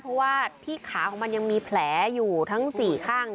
เพราะว่าที่ขาของมันยังมีแผลอยู่ทั้ง๔ข้าง